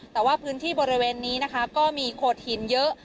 แต่ว่าพื้นที่บริเวณนี้นะคะก็มีโขดหินเยอะ